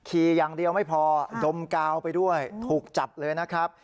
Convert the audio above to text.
ขี่อย่างเดียวไม่พอดมกาวไปด้วยถูกจับเลยนะครับ